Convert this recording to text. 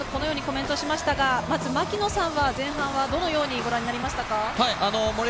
このようにコメントをしましたが、槙野さんはどのようにご覧になりましたか？